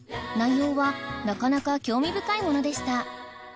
内容はなかなか興味深いものでした